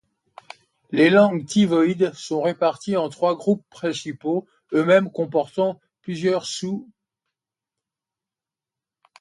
Les langues tivoïdes sont réparties en trois groupes principaux, eux-mêmes comportant plusieurs sous-groupes.